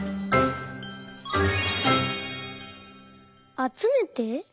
「あつめて」？